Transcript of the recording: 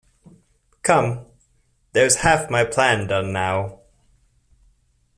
Come, there’s half my plan done now!